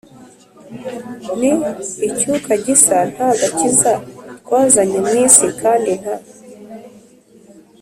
Ni icyuka gisa nta gakiza twazanye mu isi kandi nta